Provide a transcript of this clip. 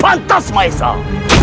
sangat tidak pantas maesah